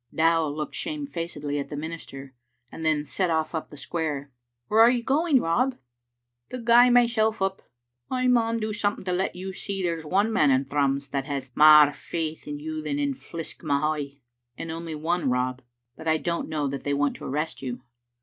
Dow looked shamefacedly at the minister, and then set ofiE up the square. " Where are you going, Rob?" " To gie myself up. I maun do something to let you see there's one man in Thrums that has mair faith in you than in a fliskmahoy." "And only one, Rob. But I don't know that they want to arrest you."